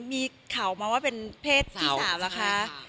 มีข่าวมาว่าเป็นเพศที่๓ล่ะคะ